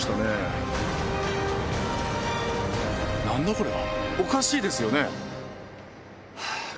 これはおかしいですよね？